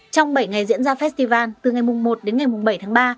trong bảy ngày diễn ra festival từ ngày một đến ngày bảy tháng ba